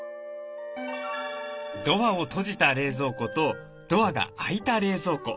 ドアを閉じた冷蔵庫とドアが開いた冷蔵庫。